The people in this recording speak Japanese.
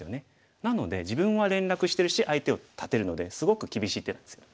なので自分は連絡してるし相手を断てるのですごく厳しい手なんですよ。